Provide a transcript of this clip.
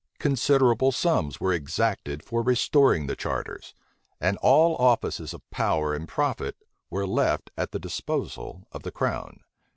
Considerable sums were exacted for restoring the charters; and all offices of power and profit were left at the disposal of the crown.